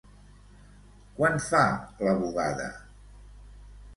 Quan fa la bugada?